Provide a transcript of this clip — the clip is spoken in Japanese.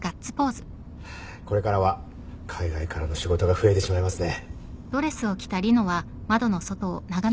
これからは海外からの仕事が増えてしまいますね。